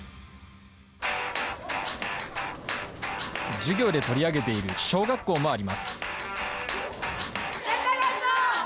授業で取り上げている小学校もあります。